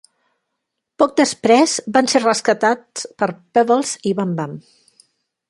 Poc després van ser rescatats per Pebbles i Bamm Bamm.